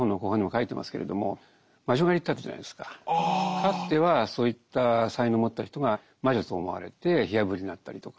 かつてはそういった才能を持った人が魔女と思われて火あぶりにあったりとか。